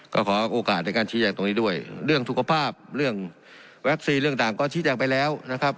ก็ขอโอกาสในการชี้แจงตรงนี้ด้วยเรื่องสุขภาพเรื่องวัคซีนเรื่องต่างก็ชี้แจงไปแล้วนะครับ